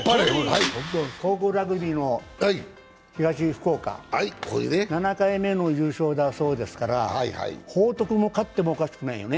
高校ラグビーの東福岡、７回目の優勝だそうですから、報徳も勝ってもおかしくないよね。